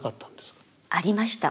ありました。